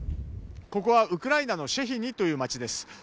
ここはウクライナのシェヒニという街です。